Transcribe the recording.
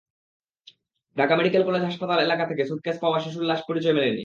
Dhaka medical college হাসপাতাল এলাকা থেকে সুটকেসে পাওয়া শিশুর লাশের পরিচয় মেলেনি।